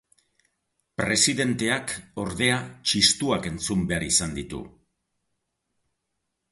Presidenteak, ordea, txistuak entzun behar izan ditu.